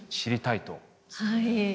はい。